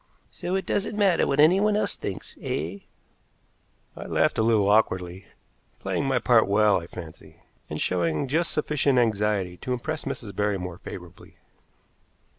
"So it doesn't matter what anyone else thinks, eh?" I laughed a little awkwardly, playing my part well, I fancy, and showing just sufficient anxiety to impress Mrs. Barrymore favorably.